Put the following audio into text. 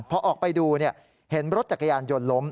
พอออกไปดูเห็นรถจักรยานยนต์ล้ม